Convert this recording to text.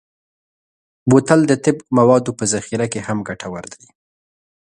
بوتل د طب موادو په ذخیره کې هم ګټور دی.